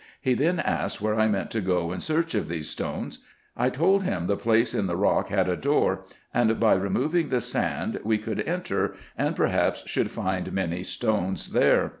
He then asked where I meant to go in search of these stones. I told him the place in the rock had a door, and by removing the sand we could enter, and perhaps should find many stones there.